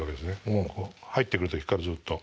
入ってくる時からずっと。